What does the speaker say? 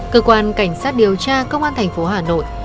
cơ quan cảnh sát điều tra công an thành phố hà nội